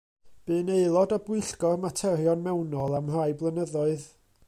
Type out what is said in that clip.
Bu'n aelod o Bwyllgor Materion Mewnol am rai blynyddoedd.